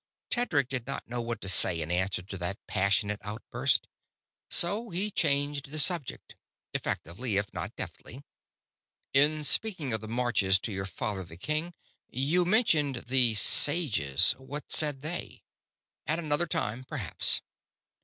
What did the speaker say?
Tedric did not know what to say in answer to that passionate outburst, so he changed the subject; effectively, if not deftly. "In speaking of the Marches to your father the king, you mentioned the Sages. What said they?" "At another time, perhaps."